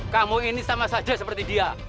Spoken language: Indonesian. kamu ini sama saja seperti dia